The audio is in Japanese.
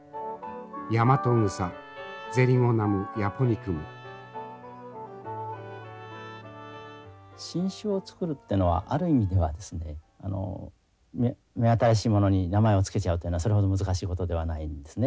ヤマトグサＴｈｅｌｉｇｏｎｕｍｊａｐｏｎｉｃｕｍ．新種を作るってのはある意味ではですね目新しいものに名前を付けちゃうっていうのはそれほど難しいことではないんですね。